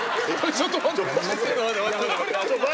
ちょっと待って。